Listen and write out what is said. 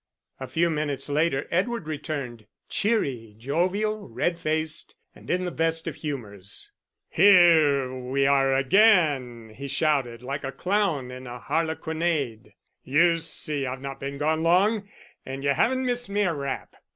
A few minutes later, Edward returned cheery, jovial, red faced, and in the best of humours. "Here we are again!" he shouted, like a clown in a harlequinade. "You see I've not been gone long and you haven't missed me a rap.